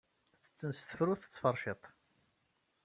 Ttetten s tefrut d tferciḍt.